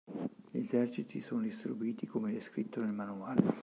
Gli eserciti sono distribuiti come descritto nel manuale.